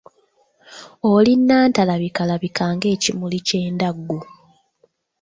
Oli nnantalabikalabika ng'ekimuli ky'endaggu.